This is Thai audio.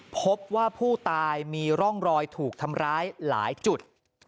พบว่าผู้ตายมีร่องรอยถูกทำร้ายหลายจุด